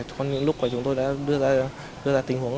còn những lúc chúng tôi đã đưa ra tình huống